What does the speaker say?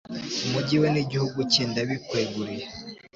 umugi we n'igihugu cye, ndabikweguriye